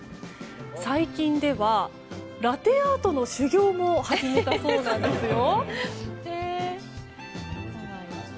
最近では、ラテアートの修業も始めたそうなんですよ。